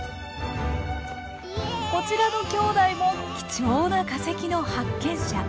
こちらの兄弟も貴重な化石の発見者。